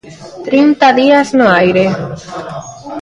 Trinta días no aire.